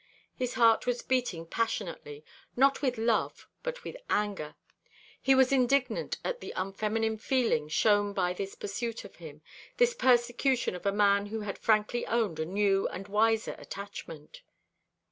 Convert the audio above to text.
His heart was beating passionately, not with love, but with anger. He was indignant at the unfeminine feeling shown by this pursuit of him, this persecution of a man who had frankly owned a new and wiser attachment.